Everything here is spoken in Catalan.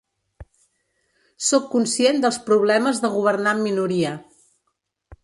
Sóc conscient dels problemes de governar amb minoria.